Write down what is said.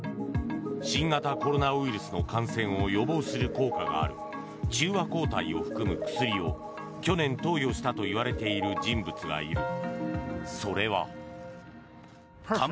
新型コロナウイルスの感染を予防する効果がある中和抗体を含む薬を去年、投与したといわれている人物がいる、それは。